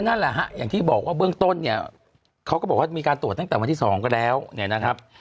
นั่นแหละฮะอย่างที่บอกว่าเบื้องต้นเนี่ยเขาก็บอกว่ามีการตรวจตั้งแต่วันที่๒ก็แล้วเนี่ยนะครับ